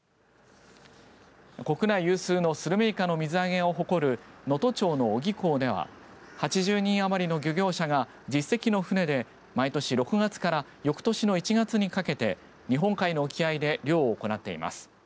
国内有数のするめいかの水揚げを誇る能登町の小木港では８０人余りの漁業者が１０隻の船で毎年６月から翌年の１月にかけて日本海の沖合で漁を行っています。